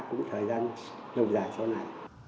cũng thời gian lâu dài sau này